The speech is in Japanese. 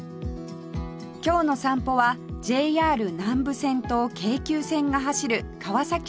今日の散歩は ＪＲ 南部線と京急線が走る川崎市の八丁畷